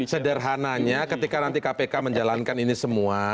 sederhananya ketika nanti kpk menjalankan ini semua